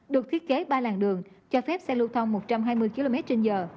được thiết kế ba làng đường cho phép xe lưu thông một trăm hai mươi km trên giờ